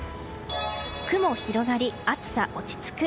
雲広がり、暑さ落ち着く。